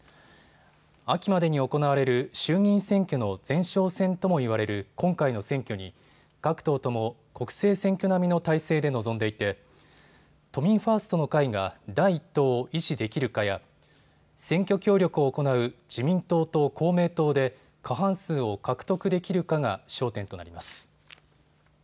秋までに行われる衆議院選挙の前哨戦とも言われる今回の選挙に各党とも国政選挙並みの態勢で臨んでいて都民ファーストの会が第１党を維持できるかや選挙協力を行う自民党と公明党で過半数を獲得できるかが焦点となります。